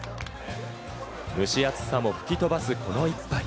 蒸し暑さも吹き飛ばす、この一杯。